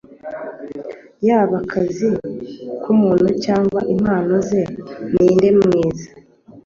yaba akazi k'umuntu cyangwa impano ze: ninde mwiza